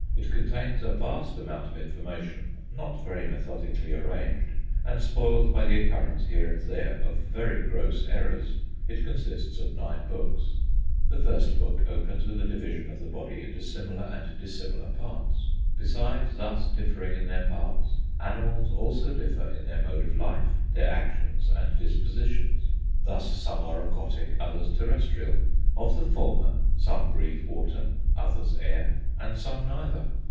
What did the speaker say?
It contains a vast amount of information, not very methodically arranged, and spoiled by the occurrence here and there of very gross errors. It consists of nine books. The first book opens with a division of the body into similar and dissimilar parts. Besides thus differing in their parts, animals also differ in their mode of life, their actions and dispositions. Thus some are aquatic, others terrestrial; of the former, some breathe water, others air, and some neither.